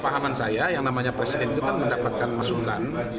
pahaman saya yang namanya presiden itu kan mendapatkan masukan